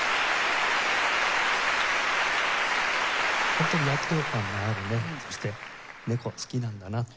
本当に躍動感のあるねそして猫好きなんだなって思いました。